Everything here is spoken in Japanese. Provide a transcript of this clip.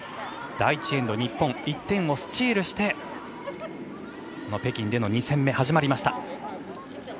第１エンド日本１点をスチールして北京での２戦目が始まりました。